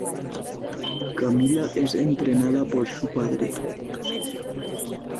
Camila es entrenada por su padre.